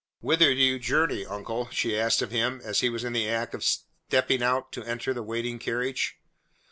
"Whither do you journey, uncle?" she asked of him as he was in the act of stepping out to enter the waiting carriage.